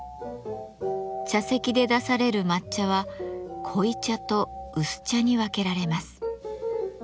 茶席で出される抹茶は濃茶と薄茶に分けられます。